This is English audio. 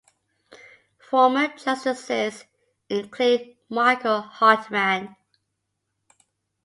Former justices include Michael Hartmann.